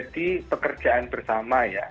di pekerjaan bersama ya